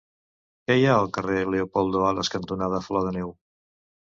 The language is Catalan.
Què hi ha al carrer Leopoldo Alas cantonada Flor de Neu?